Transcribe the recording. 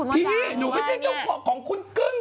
พี่หนูไม่ใช่ของคุณกึ้ง